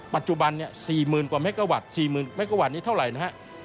ปัจจุบันเนี่ย๔๐๐๐กว่าเมกาวัตต์๔๐๐เมกะวัตต์นี้เท่าไหร่นะฮะ